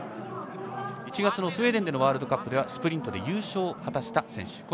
１月のスウェーデンでのワールドカップではスプリントで優勝を果たした選手。